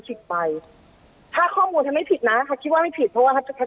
ถูกไปถ้าข้อมูลจะไม่ผิดนะค่ะคิดว่าไม่ผิดเพราะว่า